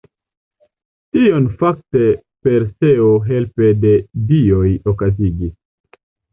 Tion fakte Perseo helpe de dioj okazigis.